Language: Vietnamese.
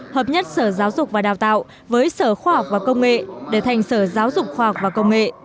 hợp nhất sở giáo dục và đào tạo với sở khoa học và công nghệ để thành sở giáo dục khoa học và công nghệ